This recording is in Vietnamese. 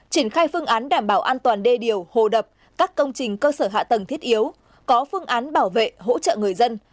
triển khai phương án đảm bảo an toàn đê điều hồ đập các công trình cơ sở hạ tầng thiết yếu có phương án bảo vệ hỗ trợ người dân